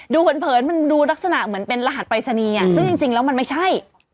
เผินมันดูลักษณะเหมือนเป็นรหัสปรายศนีย์ซึ่งจริงแล้วมันไม่ใช่